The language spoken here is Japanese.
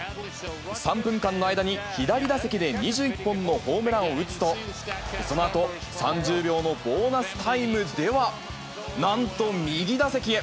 ３分間の間に左打席で２１本のホームランを打つと、そのあと、３０秒のボーナスタイムでは、なんと右打席へ。